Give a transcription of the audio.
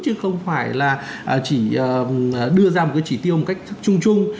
chứ không phải là chỉ đưa ra một cái chỉ tiêu một cách chung chung